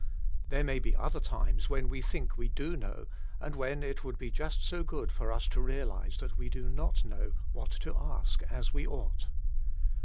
There may be other times when we think we do know, and when it would just be so good for us to realise that we do not know what to ask as we ought.